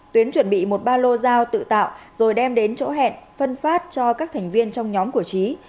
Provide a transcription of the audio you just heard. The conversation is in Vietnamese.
tuyến chuẩn bị một ba lô dao tự tạo rồi đem đến chỗ hẹn phân phát cho các thành viên trong nhóm của trí